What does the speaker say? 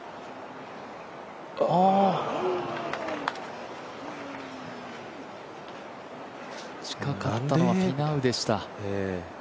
あ近かったのはフィナウでした。